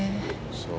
そう。